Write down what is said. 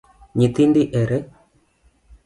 Nyithindi ere?